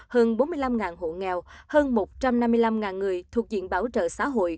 hơn bốn mươi năm hộ nghèo hơn một trăm năm mươi năm người thuộc diện bảo trợ xã hội